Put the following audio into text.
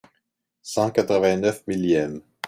Cent quatre-vingt neuf millième.